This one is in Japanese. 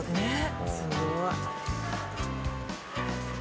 すごい。